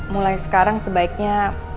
mulai sekarang sebaiknya